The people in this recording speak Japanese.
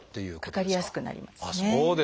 かかりやすくなりますね。